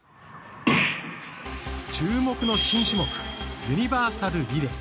注目の新注目ユニバーサルリレー。